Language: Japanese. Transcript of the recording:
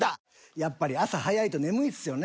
やっぱり朝早いと眠いっすよね